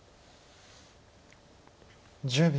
１０秒。